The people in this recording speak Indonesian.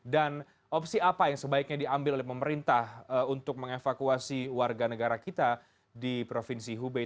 dan opsi apa yang sebaiknya diambil oleh pemerintah untuk mengevakuasi warga negara kita di provinsi hubei